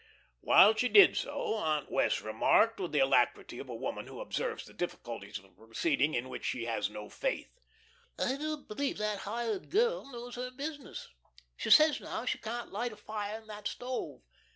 While she did so, Aunt Wess' remarked, with the alacrity of a woman who observes the difficulties of a proceeding in which she has no faith: "I don't believe that hired girl knows her business. She says now she can't light a fire in that stove.